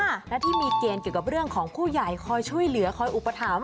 และที่มีเกณฑ์เกี่ยวกับเรื่องของผู้ใหญ่คอยช่วยเหลือคอยอุปถัมภ